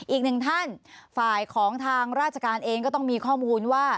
อีกหนึ่งท่านฝ่ายของทางราชการเองก็ต้องมีข้อมูลว่า